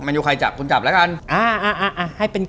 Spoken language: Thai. แมนยูใครจับคุณจับละกัน